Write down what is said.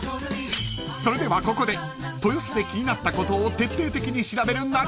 ［それではここで豊洲で気になったことを徹底的に調べる］